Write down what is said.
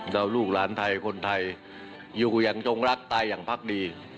ลูกหลานไทยคนไทยอยู่อย่างจงรักตายอย่างพักดี